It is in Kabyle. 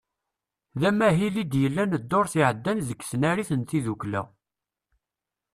D amahil i d-yellan ddurt iɛeddan deg tnarit n tiddukla.